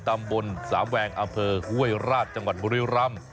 ตำบลสามแวงอฮวยราชจังหวัดบุรีราม